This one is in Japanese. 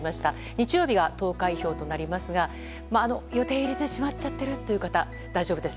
日曜日が投開票となりますが予定を入れてしまったという人も大丈夫です。